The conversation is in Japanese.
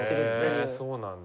ヘえそうなんだ。